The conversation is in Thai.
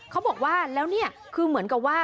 เขาบอกว่าแล้วนี่คือเหมือนกับว่า